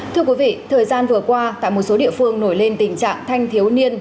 thưa quý vị thời gian vừa qua tại một số địa phương nổi lên tình trạng thanh thiếu niên